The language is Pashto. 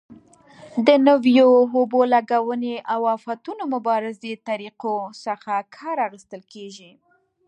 د نویو اوبه لګونې او آفتونو مبارزې طریقو څخه کار اخیستل کېږي.